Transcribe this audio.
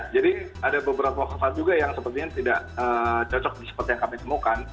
jadi ada beberapa wakil juga yang sepertinya tidak cocok seperti yang kami temukan